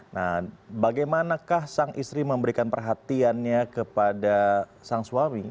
nah bagaimanakah sang istri memberikan perhatiannya kepada sang suami